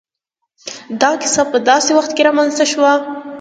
دا کيسه په داسې وخت کې را منځ ته شوه.